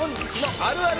あるある！